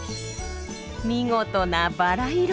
見事なバラ色！